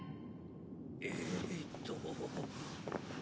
えーっと。